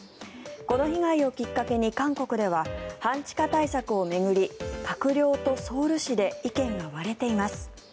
この被害をきっかけに韓国では半地下対策を巡り閣僚とソウル市で意見が割れています。